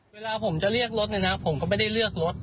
เวลาผมจะเรียกรถเนี่ยนะผมก็ไม่ได้เลือกรถ